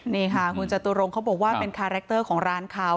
นี่ค่ะคุณจตุรงเขาบอกว่าเป็นคาแรคเตอร์ของร้านเขา